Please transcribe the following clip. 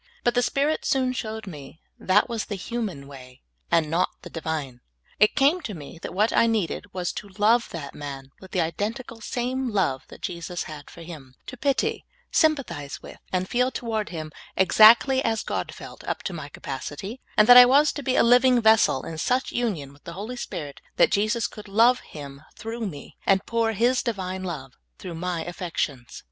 But the Spirit soon showed me that was the human w^ay, and not the Divine. It came to me that what I needed was to love that man with the identical same love that Jesus had for him ; to pity, sympathize with, and feel toward him exactly as God felt, up to my capacity ; that I w^as to be a living vessel in such union with the Holy Spirit that Jesus could love him through me, and pour His Divine love through my affections.